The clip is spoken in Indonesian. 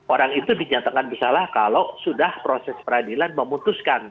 orang itu dinyatakan bersalah kalau sudah proses peradilan memutuskan